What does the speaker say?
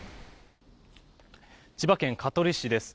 千葉県香取市です。